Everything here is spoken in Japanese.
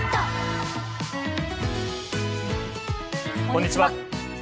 こんにちは。